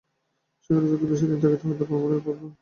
সেখানে যদি বেশী দিন থাকিতে হয়, তবে আমার এ অপূর্ব পোষাক চলিবে না।